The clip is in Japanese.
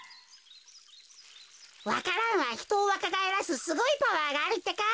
わか蘭はひとをわかがえらすすごいパワーがあるってか。